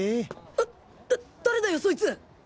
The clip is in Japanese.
あだ誰だよそいつ！